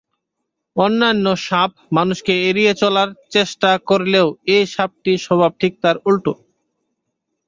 অন্যান্য সাপ মানুষকে এড়িয়ে চলার চেষ্টা করলেও এ সাপটি স্বভাব ঠিক তার উল্টো।